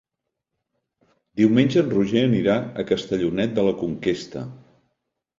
Diumenge en Roger anirà a Castellonet de la Conquesta.